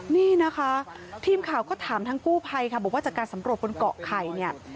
นี่นะคะทีมข่าวก็ถามทั้งกู้ภัยค่ะบอกว่าจากการสำรวจบนเกาะไข่เนี่ย